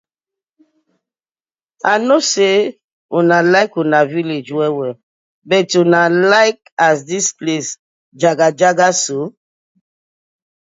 I no say una like una villag well well but una like as di place jagajaga so?